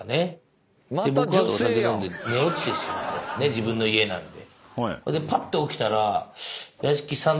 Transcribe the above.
自分の家なんで。